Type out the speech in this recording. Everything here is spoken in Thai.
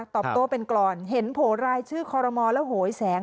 ตอบโต้เป็นกรอนเห็นโผล่รายชื่อคอรมอลแล้วโหยแสง